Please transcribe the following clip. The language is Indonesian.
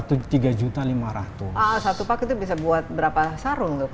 satu pak itu bisa buat berapa sarung